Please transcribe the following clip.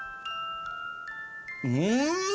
うん！